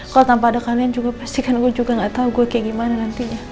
kalau tanpa ada kalian juga pasti kan gue juga gak tahu gue kayak gimana nantinya